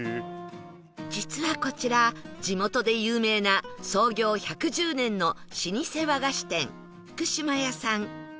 実はこちら地元で有名な創業１１０年の老舗和菓子店ふくしまやさん